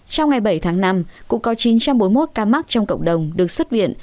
trong ngày bảy tháng năm cũng có chín trăm bốn mươi một ca mắc trong cộng đồng được xuất viện